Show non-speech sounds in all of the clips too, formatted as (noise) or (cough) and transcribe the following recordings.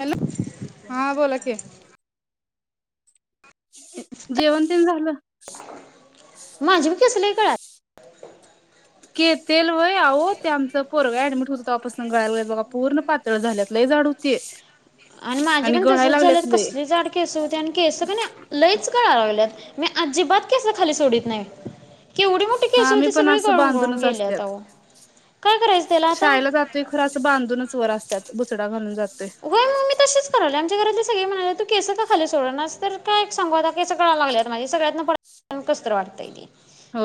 Hello हा बोला की जेवण तेण झालं माझी बी केसं लई गळाली के तेल व्हय आव ते आमचं पोरगं ऍडमिट होत तवापासनं गळायलय बगा पूर्ण पातळ झाल्यात लई जाड होते आणि माझे पण तसच झालेत कसले जाड केस होते आणि केस क नई लईच गळायं लागल्यात मी आजीबात केसं खाली सोडत नाही केवढी मोठी केस हा मी होती पण सगळी अस गळून गळून बांधूनच गेल्यात असत्यात अहो काय करायचं त्याला आता शाळेला जातोय खरं असं बांधूनच वर असतात बुचडा घालून जा होय मग मी तसच कराल्या आमच्या घरातले सग सगळी म्हणाले तू केस का खाली सोड नास तर काय सांगू आता केसं गळायला लागल्यात माझी सगळ्यातनं पडल्यात कसतरी वाटतयं ते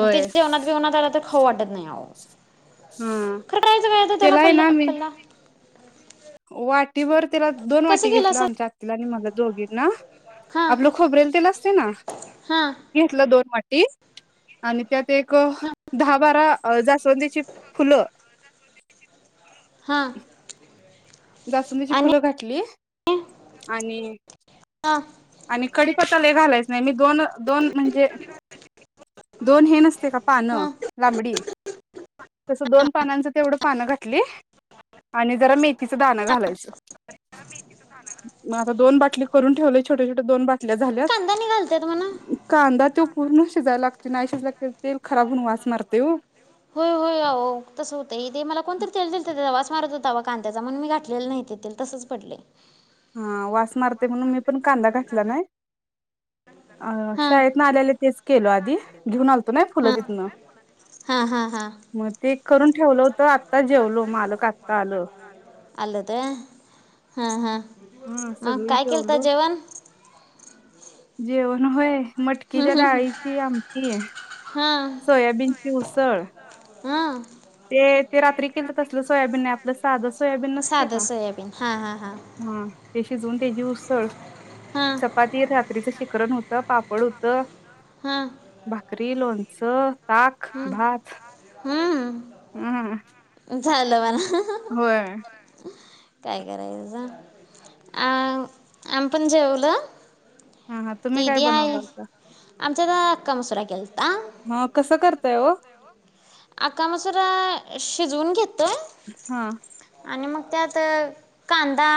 मग ते जेवणात बिवनात आला तर खाऊ वाटत नाही अव हा खर टाईच त्याला पल्ल्या पला वाटीवर त्याला दोन कसं वाटी केला घेतलं सर आमच्या आत्तीला आणि मला दोघींना हां आपलं खोबरेल तेलं असतय ना हां घेतलं दोन वाटी तेच आणि त्यात एक हां दहा बारा अ जास्वंदीची फुलं हा जास्वंदीची फुलं घातली हा आणि आणि कडी पत्ता लई घालायचं नाही मी दोन दोन म्हणजे दोन हे नसते का पानं हा लांबडी तसं दोन पानांचं तेवढं पानं घातली आणि जरा मे तिचं दाणा घालायचं मग आता दोन बाटली करून ठेवले छोट्या छोट्या दोन बाटल्या झाल्यात. घालत्यात म्हणा. कांदा तो पूर्ण शिजायला लागतो नाही शिजला की तेल खराब होऊन वास मारतोय ओ. होय अओ तसं होतं इथं ते मला कोणतरी तेल दिलत त्याचा वास मारत होता वा कांद्याचा म्हणून मी घातलेलं नाही ते तेल तसच पडलय. हां वास मारतोय म्हणून मी पण कांदा घातला नाय. अ हां शाळेत ना आल्या, आल्या तेच केलो आधी. घेऊन आलतो नाही फुलं हां तिथनं, हां हां हां मग ते करून ठेवलं होत आत्ता जेवलो मालक आत्ता आलं. आलत व्हयं? हं, हं. हा मग सगळी काय केलता जेवलो जेवण? न् व्हय मटकीच्या डाळीची आमटी, सोयाबीनची उसळ. हं. ते ते रात्री केलंत तसलं सोयाबीन नाही आपलं साधच साधं सोयाबीन हां, हां, हां. हा ते शिजवून त्याची उसळ चपाती राक रात्रीचं शिखरण होतं, पापड होतं. हं. भाकरी, लोणचं ताक, भात. हं. हं. झालं म्हणा. होय. काय करायचसा? अ आम्ही पण जेवलो. हा हा तुम्ही काय बनवलं होत आमच्यात आक्का मसुरा केेलता. हं कसं करताय ओ? आक्का मसुरा शिजवून घेतोय. हा. आणि मग त्यात कांदा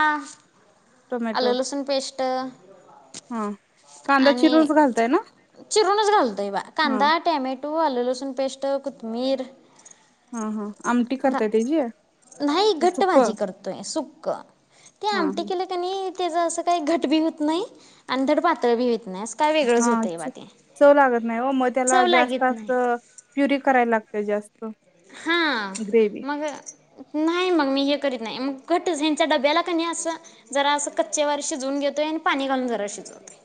टोमॅटो आल्ल लसुन पेश् ट हा. कांदा आणि चिरूनच घालताय ना? चिरूनच घालतोय बा हा कांदा टॅमेट् टू् आल, लसूण पेस्ट कुथमीर हा, हा. आमटी करताय त्याची? नाही घट्ट भाजी सुकं? करतोय, सुक ते हा आमटी हा केलं कनई त्याच असं काही घट बी होत नाही आणि धड पातळ बी होत नाही असं काय वेगळंच हा होतं आहे बा ते चव लागत नाही ओ. मग त्याला चव जास्त लागत अस नाही प्युरी करायला लाग का जास्त हा, ग्रेवी मग नाही मग मी हे करीत नाही. मग घटच ह्यांचा डब्याला क नई असं जरा अस कच्चेवार शिजवून घेतोय आणि पाणी घालून जरा शिजवतोय.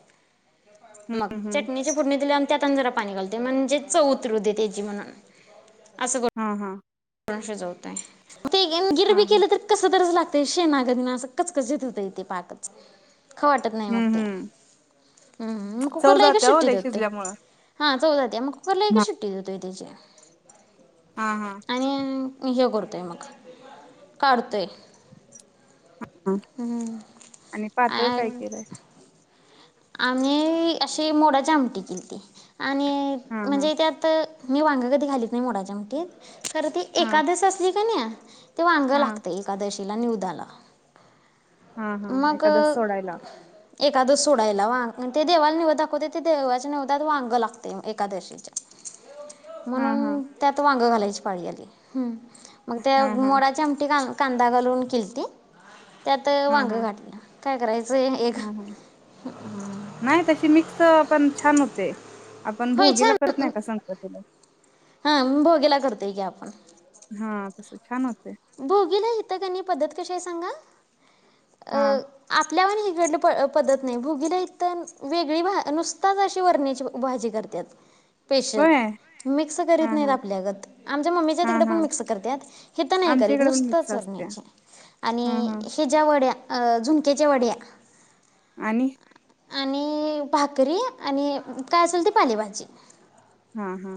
मग हम्म हम्म चटणीचे फोडणी दिले आणि त्यातन जरा पाणी घालत ते म्हणजे चव उतरु दे तेजी म्हणून. हा, हा. काय शिजवताय? ते हा गिरवी हा केलं तर कसं तर लाग ते शेनागत मग कच कचित होतंय ते पाकच. खाऊ वाटत नाही मग हम्म ते हम्म मग. हं चव कुकरला एकच जाते हो शिट्टी लय देते. शिजल्यामुळं हा चव जातीया मग कुकरला एकच हा सुुट्टी देतोय त्याची. हा, हा. आणि हे करतय म काढतोय. आणि पातळ काय केलंय? आम्ही अशी मोडाची आमटी केलती. आणि हा हा म्हणजे त्यात मी वांग कधी घालीत नाही मोडाच्या आमटीत. खरं ती हा एखकादस असली क नई ते वांग हा लागत एकादशी ला निवदाला. हा, हा मग एकादस सोडायला? एकादस सोडायला वांग ते देवाला निवद दाखवते ते देवाच्या निवदात वांग लागते मग एकादशीच्या. हा हा म्हणून त्यात वांग घालाय आज पाळी आली हं. मग त्या हा हा मोडाच्या आमटी घा कांदा घालून केलती त्यात हा वांग हा घाठलं काय करायचं एक. हा हा नाही तशी मिक्स पण छान होते. आपण होय भोगीला छान करत नाही का, संक्रांतीला हां भोगिला करतेय की आपण. हा तसं छान होत. भोगीला इथं की नई पद्धत कशी आहे सांगा? अ हा आपल्यावाणी पद्धत नाही भोगीला इथ वेगळी नुसताच अशी वरण्याची भाजी करतात स्पेशल होय मिक्स करीत हा नाहीत हा आपल्यागत आमच्या मम्मीच्या हा तिकडे पण हा मिक्स करत्यात हित नाही आमच्या करीत इकडे पण मिक्स नुस्तच असत्या वरण्याची हा आणि हा हेज्या वड्या झुंक्याच्या वड्या आणि आणि भाकरी आणि काय असेल ती पालेभाजी हा हा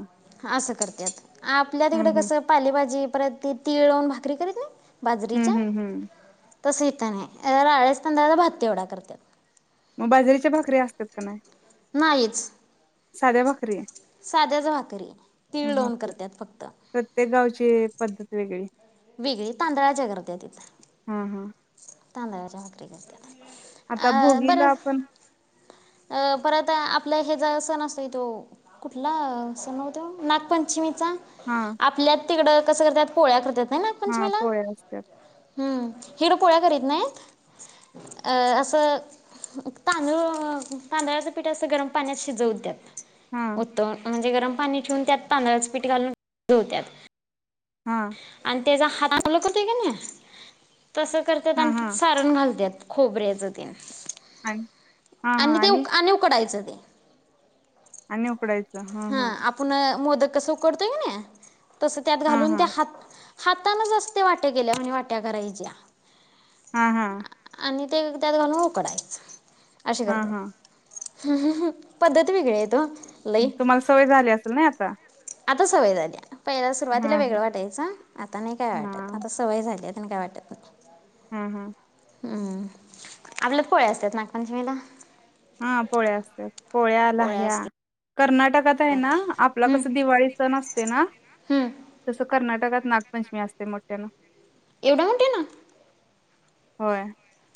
असं करत्यात आपल्या तिकडे हम्म हम्म कसं पालेभाजी प्रति तिळ लावून भाकरी करीत नाही हम्म हम्म हम्म तस इथ नाही राळेच तांदळाचा भात ते एवढा करतात. मग बाजरीच्या भाकरी असतात का नाही? नाहीच. साध्या भाकरी साध्याच भाकरी. तीळ ह लावून करतात फक्त प्रत्येक गावचे पद्धत वेगळी वेगळी तांदळाच्या करत्यात इथ. हा हा तांदळ्याच्या भाकरी करतात आता अ बरं भोगीला आपण अ परत आपला हे ज सण असतो तो कुठला सण होतो नागपंचमी हा आपल्यात तिकडं कसं करतात पोळ्या करतात हा पोळ्या असतात हिडं पोळ्या करीत नाहीत असं तांदूळ तांदळाचं पिठ असं गरम पाण्यात शिजवत्यात. हा उतम गरम पाणी ठेवून त्यात तांदळाच पीठ घालून शिजवत्यात. हम तेचा हात ओला करतोय कणी तसं करतात हा आणि ति हा सारण घालत्यात. खोबऱ्याच तेल आणि हा हा आणि ते आणि उकडायचं ते आणि उकडाय हा आपूण मोदक कस उकडतोय की नाय तस त्यात हा घालून हा त्या हात हाताानच असते वाट्या गेल्या म्हणजे वाट्या करायच्या हा हा आणि त्यात घालून उकडाचं. असे हा करतात हा पद्धत वेगळे आहेेत ओ लई तुम्हा सवय झाली असेल नाय आता आता सवय झाली. पहिलं सुरुवातीला हा वेगळं वाटायचं आता नाही काय हा वाटत आता सवय झाली आणि काय वाटत? हूं हूं हम्म आपल्या पोळ्या असतात नागपंचमीला हा पोळ्या असत्यात पोळ्या,, लाह्या कर्नाटकात आहे ना आपला कसं दिवाळी सण असत ते न हम्म तस कर्नाटकात नागपंचमी असते मोठ्याना येवढ्या मोठ्यानं होय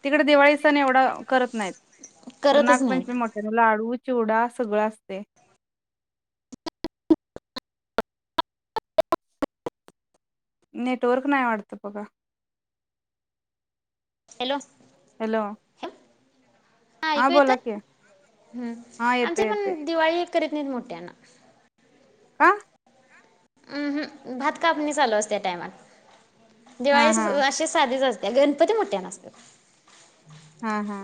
तिकड दिवाळी सण एवढा करत नाहीत खर करतच नागपंचमी नाहीत मोठ्यानं लाडू चिवडा सगळं असते नेटवर्क नाय वाटत बघा हॅलो हॅलो. हा हां ऐकू येत बोला की. हम् हां आमची येतंय येतंय. पण दिवाळी करत नाहीत मोठ्याना का? अहं भात कापणी चालू अस त्या टाईमला हां दिवाळी हां. अशीच साधीच अस त्या गणपती मोठ्या नसतात हा हा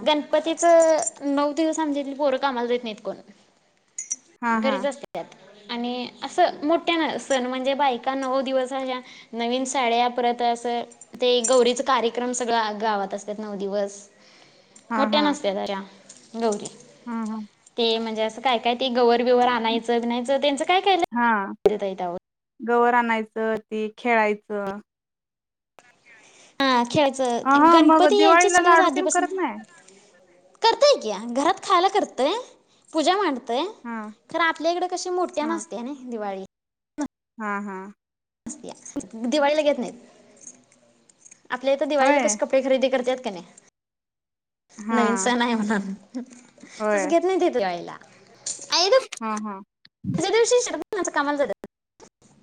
नऊ दिवस आमच्या इथली पोरं कामाला जाईत नाही कोण हां हां. घरीच असत्यात आणि असं मोठ्यान सण म्हणजे बायका नऊ दिवस अश्या नवीन साड्या परत असं ते गौरीच कार्यक्रम सगळ गावात असतात नऊ दिवस मोठ्या नसते दर्‍या गौरी हम्म हम हे म्हणजे असं काय? काय? ते गवरबिवर आणयंच न्यायचं त्यांच काय केल हां. (unintelligible) गवर आणायचं ते खेळायचं हा खेळायचं अ आणि हां मग गणपती दिवाळीला यायचं (inaudible) लाडू तेन आधीपासून करत नाही? करतायक्या घरात खायला करतय पूजा मांड - (unintelligible) खरय हां. खर आपल्या इकडे कशी मोठी हां. नसते ना दिवाळीत हां हां (inaudible) दिवाळीला घेत नाहीत आपल्या इथं दिवाळीला होय? कसं कपडे खरेदी करत्यात केन्ने नवीन हां. सण आहे म्हणा तसं घेत नाही ते तरी (unintelligible) हा हा ज्यादिवशी शरबत (unintelligible) कामाला जात्यात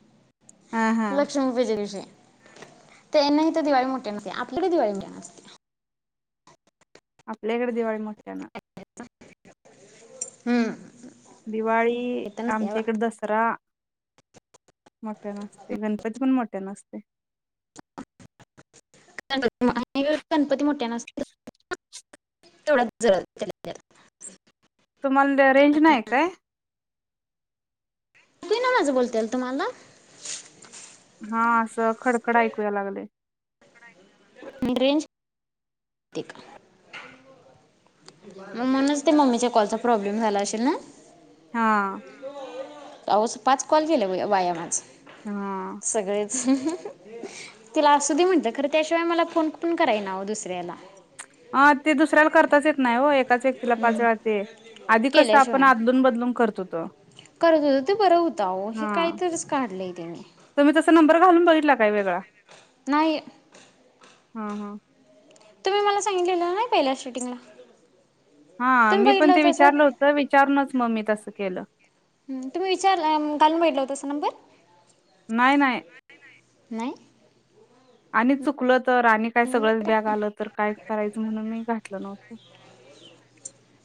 हां हां. लक्ष्मीपूजेच्या दिवशी - ते नाही तर दिवाळी मोठी नसते आपल्याकडे दिवाळीला - आपल्याकडे दिवाळी मोठ्या ना हं दिवाळी आमच्या इकडे दसरा मोठ्या नसते गणपती पण मोठ्या नसते (unintelligible) ती मोठ्या नसत्यात थोडा जर (inaudible) तुम्हाला रेंज नाय काय? कळतय ना माझं बोलत्याल तुम्हाला? हा असं खडखड ऐकूया लागलय रेंज (inaudible) म्हणूनच ते मम्मीच्या कॉलचा प्रॉब्लेम झाला असशील ना? हा. अवसं पाच कॉल गेले वाया माज हा. सगळे तिला असु दे म्हणता खरं त्याशिवाय मला फोन पण कराय नव्ह दुसऱ्याला ह ते दुसऱ्याला करताच येत नाही हो आताच एकटीला पाचवेळा ते आधी कस आपण केल्याशिवाय अदलुन बदलुन करत होतो करत होतं ते बरं होतं अहो हे हा काहीतरीच काढलंय त्याने तुम्ही तसं नंबर घालून बघितला काय वेगळा नाही हा हा तुम्ही मला सांगितलेला ना पहिल्या शूटिंगला हा मी पण ते विचारलं होत विचारूनच मग मी तसं केलं तुम्ही विचार घालून बघितला होता असं नंबर नाही नाही नाही आणि चुकल तर आणि काय सगळंच बॅग आलं तर काय करायचं म्हणून मी घाटल नव्हतं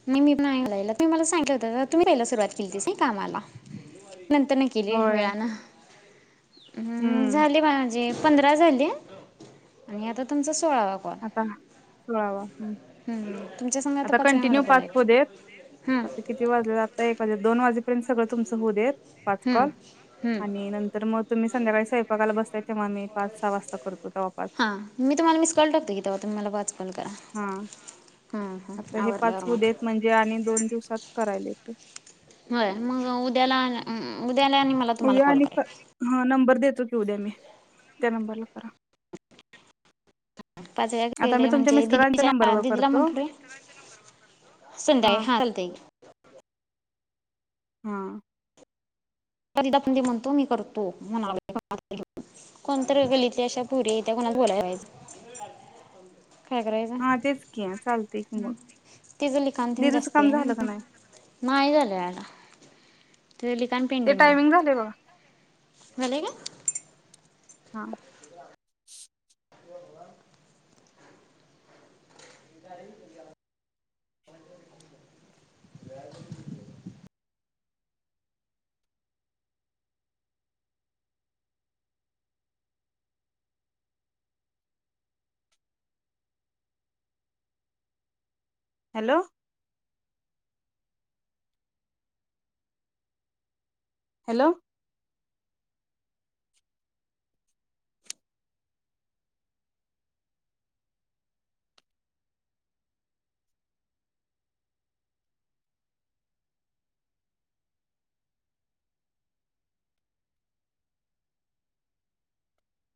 नाही मी नाही तुम्ही मला सांगित हो तुम्ही राहायला सुरुवात केली तस कामाला नंतर ना केली होय वेळान हम्म झाली माझी पंधरा झाली आणि आता तुमच सो सोळावा कॉल आता सोळावा हम्म. तुमच्या संग आता पाचव्या मला पाच होऊ बोलायचं देत हां आता किती वाजल्यात आता एक वाजलेत दोन वाजे फ्रेंड सगळ तुमच होऊ देत पाच हां कॉल हां आणि नंतर मग तुम्ही संध्याकाळी स्वयपाकाला बसतय तेव्हाम्ही पाच सहा वाजता करतो तेव्हा पाच हा मी तुम्हाला मिस कॉल टाकते की तवा तुम्ही मला वाच हा आता हे पाच आवरल्यावर होवू मग देत म्हणजे आणि दोन दिवसात करायलेच होय मग उद्याला (unintelligible) उद्याला आणि मला तुम्हाला उद्या कॉल आणि कराय क पाहिजे हा नंबर देतो की उद्या मी त्या नंबरला करा? पाचव्या आता गेले मी तुमच्या म्हणजे मिस्टरांच्या दिदीच्या नंबरवर दिदीला करतो म्हंटलोय संध्याकाळी हा चालतय हा कधी आपण ते म्हणतो मी करतो म्हना लागलोय कोणतरी गल्लीतल्या अशा पुरी त्यात कोणाला तर बोलायच काय करायचं? हा तेच की चालतंय की मग तीजं लिखान तेन दिदीचं जास्ती काम आहे झालं का ना. नाही नाई झालं आला. तीच लिखाण ते पेंडिंग हाय टायमिंग झालंय बघा झालेय का? हा हॅलो हॅलो.